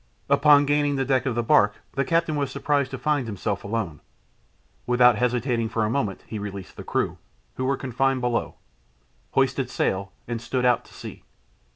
Upon gaining the deck of the barque the captain was surprised to find himself alone. Without hesitating for a moment he released the crew, who were confined below, hoisted sail and stood out to sea.